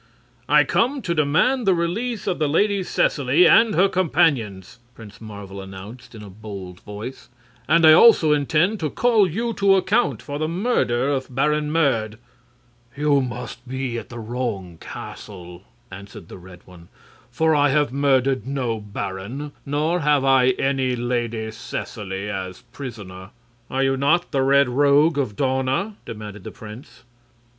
"I come to demand the release of the Lady Seseley and her companions!" Prince Marvel announced, in a bold voice. "And I also intend to call you to account for the murder of Baron Merd." "You must be at the wrong castle," answered the Red One, "for I have murdered no baron, nor have I any Lady Seseley as prisoner." "Are you not the Red Rogue of Dawna?" demanded the prince.